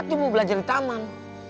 aku mau belajar di taman